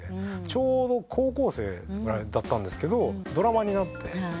ちょうど高校生ぐらいだったんですがドラマになって。